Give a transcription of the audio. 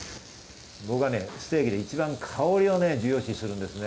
僕はステーキで、一番香りを重要視してるんですね。